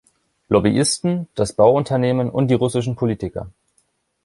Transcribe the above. Lobbyisten, das Bauunternehmen und die russischen Politiker.